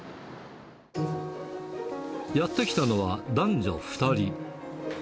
やって来たのは、男女２人。